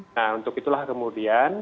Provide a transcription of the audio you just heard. nah untuk itulah kemudian